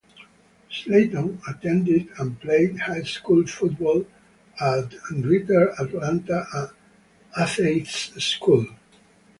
Slayton attended and played high school football at Greater Atlanta Christian School.